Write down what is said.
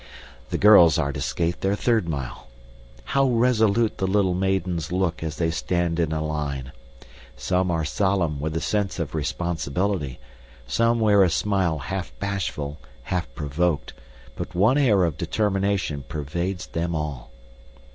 The girls are to skate their third mile. How resolute the little maidens look as they stand in a line! Some are solemn with a sense of responsibility, some wear a smile half bashful, half provoked, but one air of determination pervades them all.